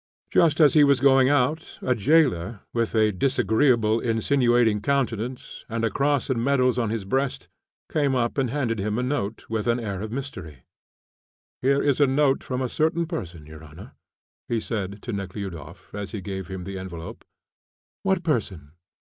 Just as he was going out, a jailer, with a disagreeable, insinuating countenance, and a cross and medals on his breast, came up and handed him a note with an air of mystery. "Here is a note from a certain person, your honour," he said to Nekhludoff as he gave him the envelope. "What person?"